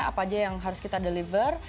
apa aja yang harus kita deliver